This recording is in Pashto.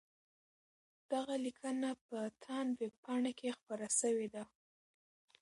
دغه لیکنه په تاند ویبپاڼه کي خپره سوې ده.